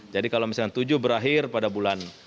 jadi kalau misalkan tujuh berakhir pada bulan